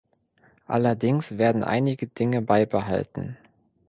Allerdings werden einige Dinge beibehalten.